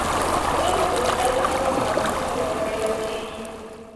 تل لومړی هغه مفهوم راپیدا کېږي.